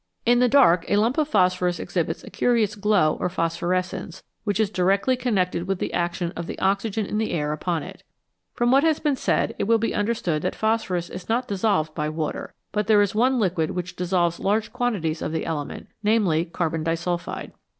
In the dark a lump of phosphorus exhibits a curious glow or phosphorescence, which is directly connected with the action of the oxygen in the air upon it. From what has been said it will be understood that phosphorus is not dissolved by water, but there is one liquid which dissolves large quantities of the element, namely, carbon disulphide.